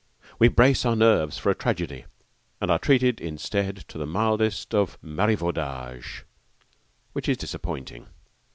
We brace up our nerves for a tragedy and are treated instead to the mildest of marivaudage which is disappointing.